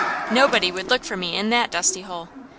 Nobody would look for me in that dusty hole.